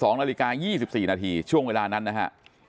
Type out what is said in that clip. ๒นาฬิกา๒๔นาทีช่วงเวลานั้นนะฮะ